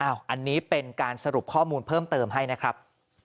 อันนี้เป็นการสรุปข้อมูลเพิ่มเติมให้นะครับ